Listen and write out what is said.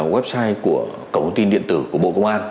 website của cổng thông tin điện tử của bộ công an